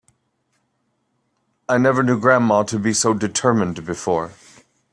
I never knew grandma to be so determined before.